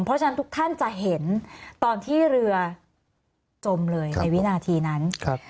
เพราะฉะนั้นทุกท่านจะเห็นตอนที่เรือจมเลยในวินาทีนั้น